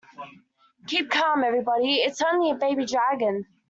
Keep calm everybody, it's only a baby dragon.